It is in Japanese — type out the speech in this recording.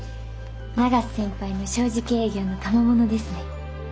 永瀬先輩の正直営業のたまものですね。